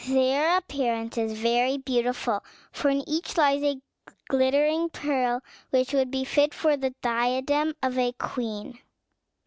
Their appearance is very beautiful, for in each lies a glittering pearl, which would be fit for the diadem of a queen.